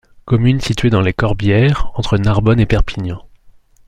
Commune située dans les Corbières, entre Narbonne et Perpignan.